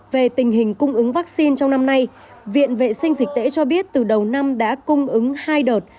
về tình hình cung ứng vaccine trong năm nay viện vệ sinh dịch tễ cho biết từ đầu năm đã cung ứng hai đợt